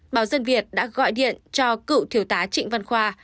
báo dân việt đã gọi điện cho cựu thiếu tá trịnh văn khoa